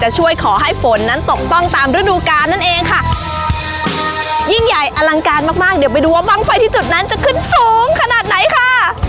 ช่วยขอให้ฝนนั้นตกต้องตามฤดูกาลนั่นเองค่ะยิ่งใหญ่อลังการมากมากเดี๋ยวไปดูว่าบ้างไฟที่จุดนั้นจะขึ้นสูงขนาดไหนค่ะ